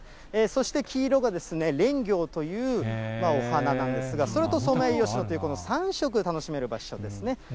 そして黄色がレンギョウというお花なんですが、それとソメイヨシノという、この３色、楽しめる場所ですね。